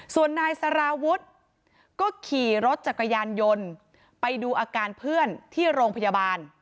ส่วนนายสารวุฒิก็ขี่รถจักรยานยนต์ไปดูอาการเพื่อนที่โรงพยาบาล